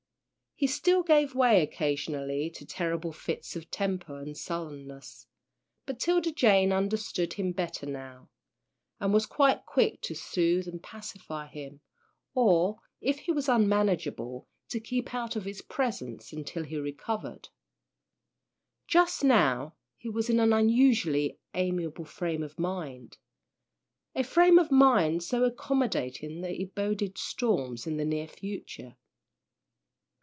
He still gave way occasionally to terrible fits of temper and sullenness, but 'Tilda Jane understood him better now, and was quick to soothe and pacify him, or, if he was unmanageable, to keep out of his presence until he recovered. Just now he was in an unusually amiable frame of mind, a frame of mind so accommodating that it boded storms in the near future.